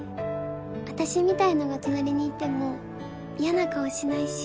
私みたいのが隣にいても嫌な顔しないし